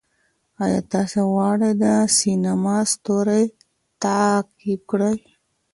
آیا تاسې غواړئ د سینما ستوری تعقیب کړئ؟